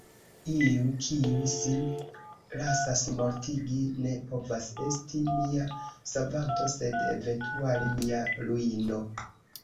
Iu kiu sin lasas mortigi ne povas esti mia savanto, sed eventuale mia ruino.